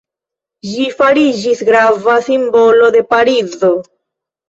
Ĝi fariĝis grava simbolo de Parizo.